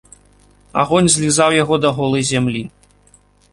Агонь злізаў яго да голай зямлі.